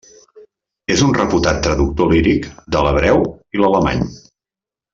És un reputat traductor líric de l'hebreu i l'alemany.